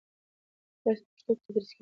درس په پښتو تدریس کېږي.